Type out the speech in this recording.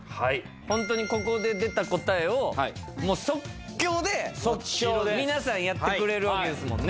ほんとにここで出た答えをもう即興で皆さんやってくれるんですもんね。